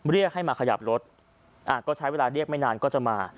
เรียกให้มาขยับรถก็ใช้เวลาเรียกไม่นานก็จะมา